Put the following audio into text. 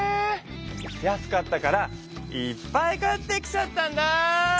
安かったからいっぱい買ってきちゃったんだ。